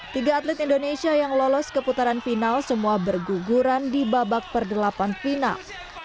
tiga atlet indonesia yang lolos keputaran final semua berguguran di babak per delapan final